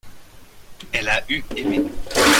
elle a eu aimé.